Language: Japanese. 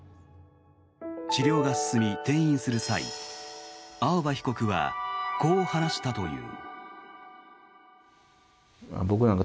治療が進み、転院する際青葉被告はこう話したという。